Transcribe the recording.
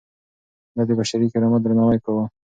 ده د بشري کرامت درناوی کاوه.